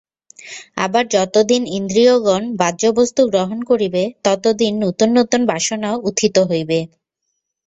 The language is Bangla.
আবার যতদিন ইন্দ্রিয়গণ বাহ্যবস্তু গ্রহণ করিবে, ততদিন নূতন নূতন বাসনা উত্থিত হইবে।